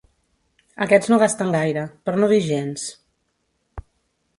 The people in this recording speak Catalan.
Aquests no gasten gaire, per no dir gens.